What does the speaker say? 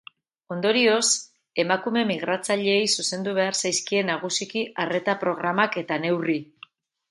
Ondorioz, emakume migratzaileei zuzendu behar zaizkie nagusiki arreta programak eta neurri publikoak.